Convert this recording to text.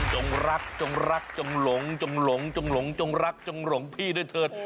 จงรักจงรักจงหลงจงหลงจงหลงจงรักจงหลงพี่ด้วยเถิด